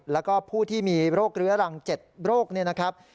แล้วก็ผู้ที่มีโรคเรื้อรัง๗โรคเนี่ยนะครับ